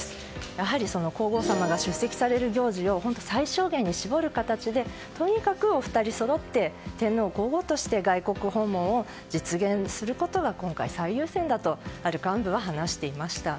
やはり皇后さまが出席される行事を最小限に絞る形でとにかくお二人そろって天皇・皇后として外国訪問を実現することが今回最優先だとある幹部は話していました。